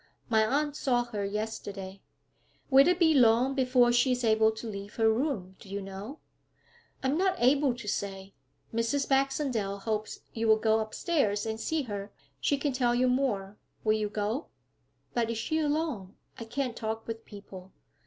My aunt saw her yesterday.' 'Will it be long before she is able to leave her room, do you know?' 'I am not able to say. Mrs. Baxendale hopes you will go upstairs and see her; she can tell you more. Will you go?' 'But is she alone? I can't talk with people.'